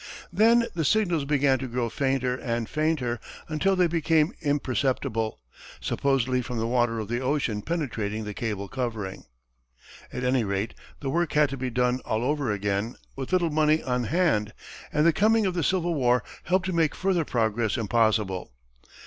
Then the signals began to grow fainter and fainter, until they became imperceptible, supposedly from the water of the ocean penetrating the cable covering. At any rate, the work had to be done all over again, with little money on hand, and the coming of the Civil War helped to make further progress impossible.